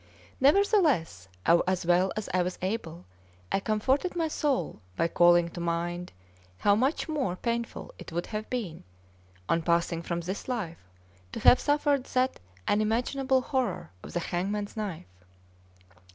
Nevertheless, as well as I was able, I comforted my soul by calling to mind how much more painful it would have been, on passing from this life, to have suffered that unimaginable horror of the hangman's knife.